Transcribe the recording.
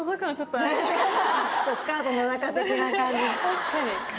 確かに。